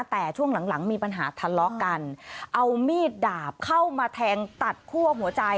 แต่ช่วงหลังหลังมีปัญหาทะเลาะกันเอามีดดาบเข้ามาแทงตัดคั่วหัวใจ